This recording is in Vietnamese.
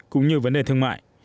cũng như vấn đề thương mại